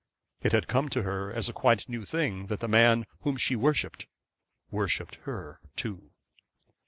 It had come to her as quite a new thing that the man whom she worshipped, worshipped her too.